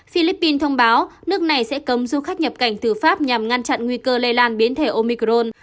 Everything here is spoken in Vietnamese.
philippines thông báo nước này sẽ cấm du khách nhập cảnh từ pháp nhằm ngăn chặn nguy cơ lây lan biến thể omicron